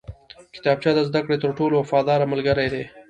کتابچه د زده کړې تر ټولو وفاداره ملګرې ده